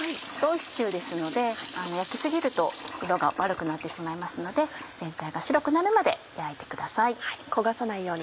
白いシチューですので焼き過ぎると色が悪くなってしまいますので全体が白くなるまで焼いてください。